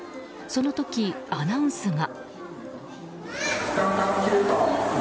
その時、アナウンスが。